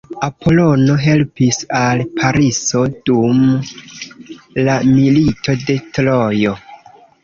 Apolono helpis al Pariso dum la Milito de Trojo.